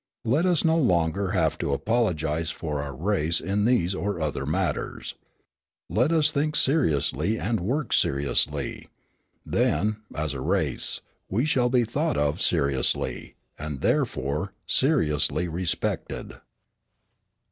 Let us no longer have to apologise for our race in these or other matters. Let us think seriously and work seriously: then, as a race, we shall be thought of seriously, and, therefore, seriously respected."